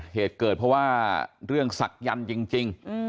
เหตุเกิดเพราะว่าเรื่องศักยันต์จริง